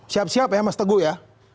siap siap ya mas teguh ya